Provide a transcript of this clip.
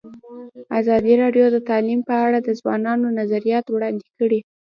ازادي راډیو د تعلیم په اړه د ځوانانو نظریات وړاندې کړي.